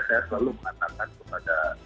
saya selalu mengatakan kepada